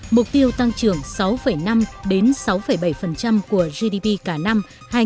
mục tiêu tăng trưởng sáu năm sáu bảy của gdp cả năm hai nghìn một mươi tám